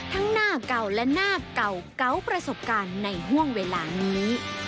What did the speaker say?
หน้าเก่าและหน้าเก่าเกาประสบการณ์ในห่วงเวลานี้